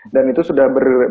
dan itu sudah berdiri di jogja